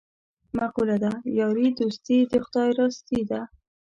مقوله ده: یاري دوستي د خدای راستي ده.